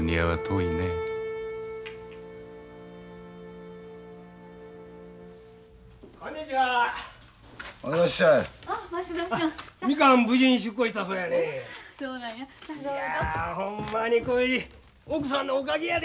いやほんまにこい奥さんのおかげやで。